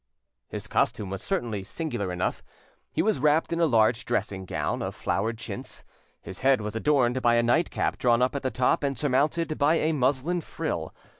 His costume was certainly singular enough: he was wrapped in a large dressing gown of flowered chintz; his head was adorned by a nightcap drawn up at the top and surmounted by a muslin frill.